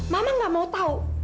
mama nggak mau tahu